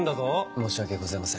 「申し訳ございません」